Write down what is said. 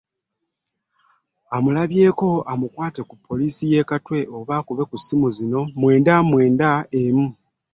Amulabyeko amutwale ku ppoliisi ey’e Katwe oba akube ku ssimu zino mwenda mwenda emu.